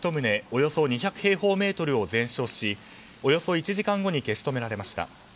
およそ２００平方メートルを全焼しおよそ１時間後に消し止められました。